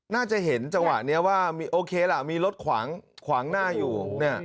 น่าจะเห็นจังหวะนี้ว่าโอเคล่ะมีรถขวางหน้าอยู่